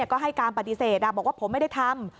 ก็ให้การปฏิเสธบอกว่าผมไม่ได้ทำ